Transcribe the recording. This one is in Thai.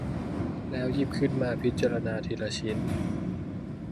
แล้วหยิบขึ้นมาพิจารณาทีละชิ้น